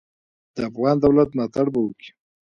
د افغان دولت ملاتړ به وکي.